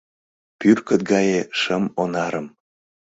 Пӱркыт гае шым онарым